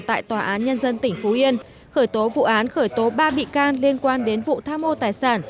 tại tòa án nhân dân tỉnh phú yên khởi tố vụ án khởi tố ba bị can liên quan đến vụ tham ô tài sản